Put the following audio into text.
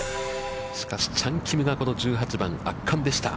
しかし、チャン・キムが、この１８番、圧巻でした。